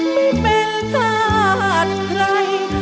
ไม่เป็นกัดใคร